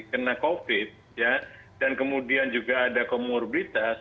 kena covid dan kemudian juga ada komorbiditas